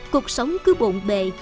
cuộc sống cứ bộn bề